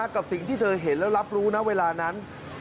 กับสิ่งที่เธอเห็นแล้วรับรู้นะเวลานั้น